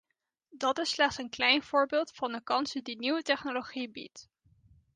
Dat is slechts een klein voorbeeld van de kansen die nieuwe technologie biedt.